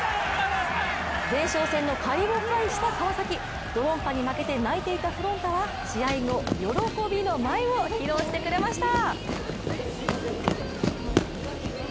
前哨戦の借りを返した川崎ドロンパに負けて泣いていたふろん太は試合後、喜びの舞を披露してくれました。